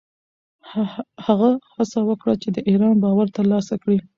هغه هڅه وکړه چې د ایران باور ترلاسه کړي.